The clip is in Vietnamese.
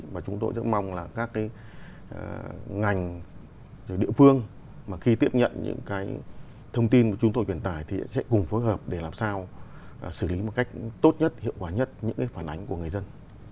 và chúng tôi rất mong là các cái ngành địa phương mà khi tiếp nhận những cái thông tin mà chúng tôi truyền tải thì sẽ cùng phối hợp để làm sao xử lý một cách tốt nhất hiệu quả nhất những cái phản ánh của người dân